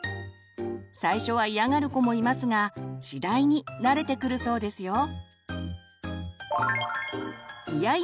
最初は嫌がる子もいますが次第に慣れてくるそうですよ。